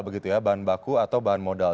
bahan baku atau bahan modal